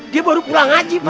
dia baru pulang haji pak